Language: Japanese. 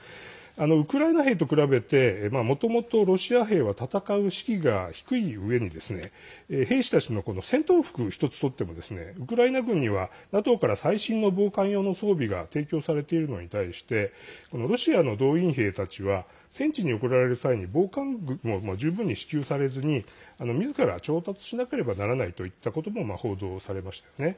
ウクライナ兵と比べてもともとロシア兵は戦う士気が低いうえに兵士たちの戦闘服一つとってもウクライナ軍にはＮＡＴＯから最新の防寒用の装備が提供されているのに対してロシアの動員兵たちは戦地に送られる際に防寒具も十分に支給されずにみずから調達しなければならないといったことも報道されましたね。